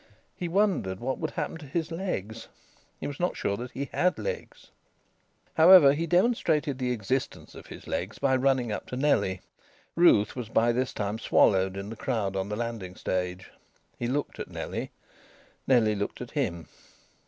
He wondered what would happen to his legs. He was not sure that he had legs. However, he demonstrated the existence of his legs by running up to Nellie. Ruth was by this time swallowed in the crowd on the landing stage. He looked at Nellie. Nellie looked at him.